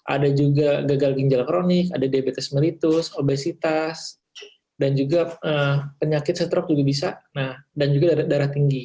ada juga gagal ginjal kronik ada diabetes melitus obesitas dan juga penyakit stroke juga bisa dan juga darah tinggi